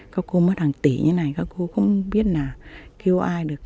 các cô mất hàng tỷ như thế này các cô không biết là kêu ai được